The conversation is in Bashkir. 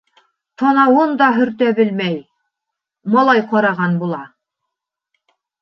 Танауын да һөртә белмәй Малай ҡараған була.